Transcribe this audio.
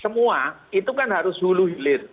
semua itu kan harus hulu hilir